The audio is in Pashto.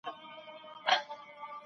دا مواد په علمي ډول څرګند سول.